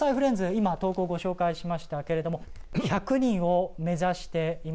今投稿をご紹介しましたけれども１００人を目指しています。